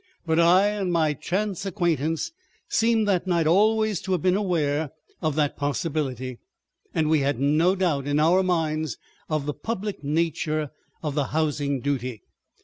... But I and my chance acquaintance seemed that night always to have been aware of that possibility, and we had no doubt in our minds of the public nature of the housing duty.